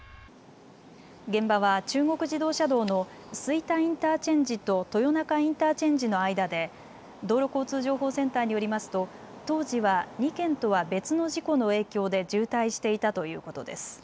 現場は中国自動車道の吹田インターチェンジと豊中インターチェンジの間で道路交通情報センターによりますと当時は２件とは別の事故の影響で渋滞していたということです。